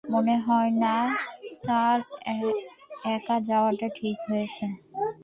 মনে হয় না তার একা যাওয়াটা ঠিক হয়েছে।